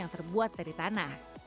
yang terbuat dari tanah